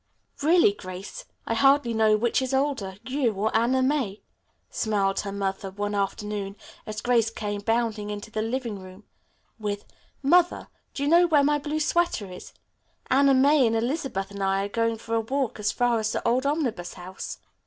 "Really, Grace, I hardly know which is older, you or Anna May," smiled her mother one afternoon as Grace came bounding into the living room with, "Mother, do you know where my blue sweater is? Anna May and Elizabeth and I are going for a walk as far as the old Omnibus House."